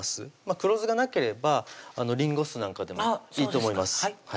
黒酢がなければりんご酢なんかでもいいと思います